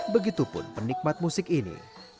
begitu pun penikmat musik ini